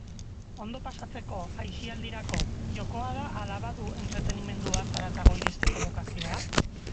Ondo pasatzeko, aisialdirako, jokoa da ala badu entretenimenduaz haratago iristeko bokazioa?